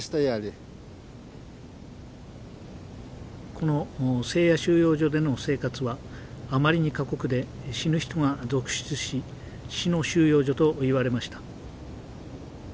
このセーヤ収容所での生活はあまりに過酷で死ぬ人が続出し死の収容所といわれました。